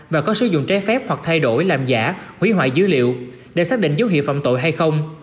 và có sử dụng trái phép hoặc thay đổi làm giả hủy hoại dữ liệu để xác định dấu hiệu phạm tội hay không